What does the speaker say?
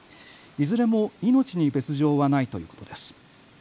いずれも命に別状はないということです。